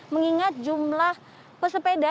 mengingat jumlah pesepeda